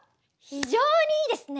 非常にいいですね！